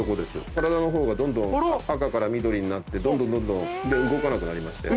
体の方がどんどん赤から緑になってどんどんどんどん動かなくなりまして。